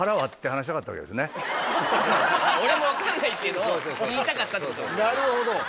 俺も分かんないっていうのを言いたかったってことね。